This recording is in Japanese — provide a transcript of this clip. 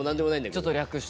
ちょっと略して。